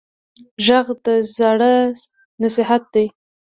غږ د زاړه نصیحت دی